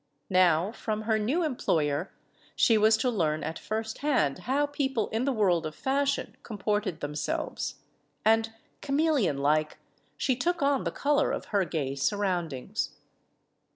Now, from her new employer, she was to learn at firsthand how people in the world of fashion com ported themselves. And, chameleonlike, she took on the color of her gay surroundings.